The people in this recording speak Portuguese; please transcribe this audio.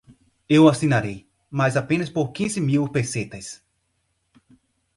Eu assinarei, mas apenas por quinze mil pesetas.